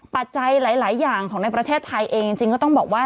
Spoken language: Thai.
ปัจจัยหลายอย่างของในประเทศไทยเองจริงก็ต้องบอกว่า